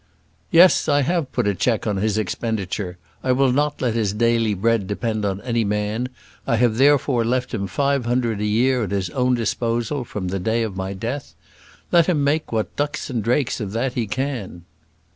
"Yes, I have put a check on his expenditure. I will not let his daily bread depend on any man; I have therefore left him five hundred a year at his own disposal, from the day of my death. Let him make what ducks and drakes of that he can."